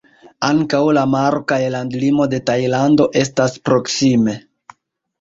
Ankaŭ la maro kaj landlimo de Tajlando estas proksime.